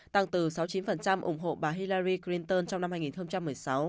tăng từ sáu mươi chín ủng hộ bà hillari clinton trong năm hai nghìn một mươi sáu